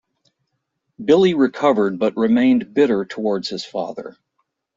Billy recovered but remained bitter towards his father.